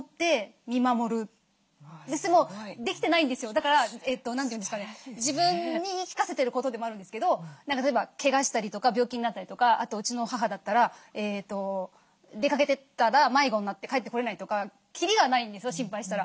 だから何て言うんですかね自分に言い聞かせてることでもあるんですけど例えばけがしたりとか病気になったりとかうちの母だったら出かけてったら迷子になって帰ってこれないとかきりがないんですよ心配したら。